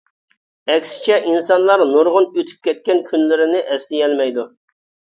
ئەكسىچە ئىنسانلار نۇرغۇن ئۆتۈپ كەتكەن كۈنلىرىنى ئەسلىيەلمەيدۇ.